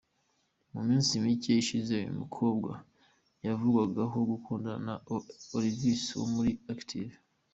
Mu minsi mike ishize uyu mukobwa yavugwagaho gukundana na Olvis wo muri Active.